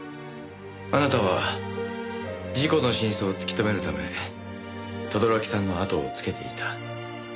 あなたは事故の真相を突き止めるため轟さんの後をつけていた。